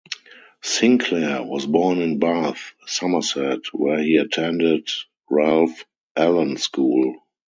Sinclair was born in Bath, Somerset, where he attended Ralph Allen School.